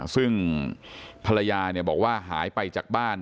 ซึ่งภรรยาบอกว่าหายไปจากบ้าน